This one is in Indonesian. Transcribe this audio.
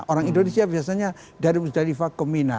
orang indonesia biasanya dari musdalifah ke mina